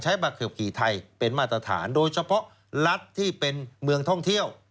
บะเขือบขี่ไทยเป็นมาตรฐานโดยเฉพาะรัฐที่เป็นเมืองท่องเที่ยว